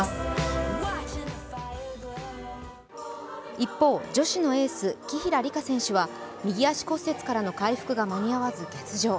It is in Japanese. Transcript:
一方、女子のエース・紀平梨花選手は右足骨折からの回復が間に合わず欠場。